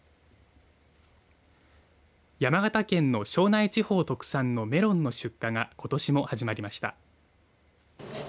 山形県の庄内地方特産のメロンの出荷がことしも始まりました。